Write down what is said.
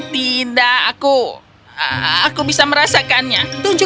tidak aku bisa merasakannya